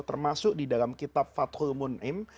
termasuk di dalam kitab fathul mun'im